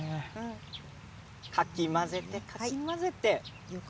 かき混ぜて、かき混ぜて。